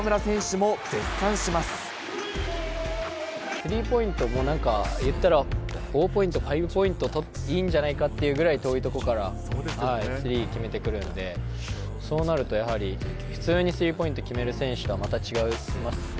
スリーポイントも、なんかいったら、フォーポイント、ファイブポイント、取っていいんじゃないかっていうぐらい、遠い所からスリー決めてくるんで、そうなるとやはり、普通にスリーポイント決める選手とはまた違いますね。